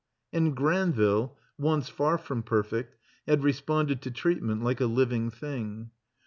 And Granville, once far from perfect, had re sponded to treatment like a living thing.